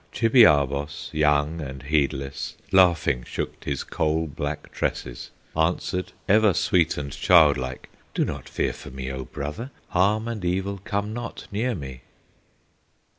Chibiabos, young and heedless, Laughing shook his coal black tresses, Answered ever sweet and childlike, "Do not fear for me, O brother! Harm and evil come not near me!"